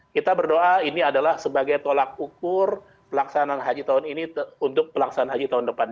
kita berdoa ini adalah sebagai tolak ukur pelaksanaan haji tahun ini untuk pelaksanaan haji tahun depan